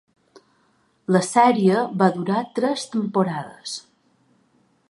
La sèrie va durar tres temporades.